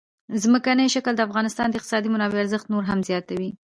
ځمکنی شکل د افغانستان د اقتصادي منابعو ارزښت نور هم زیاتوي.